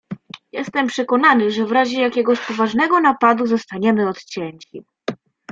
"Jestem przekonany, że w razie jakiegoś poważnego napadu, zostaniemy odcięci."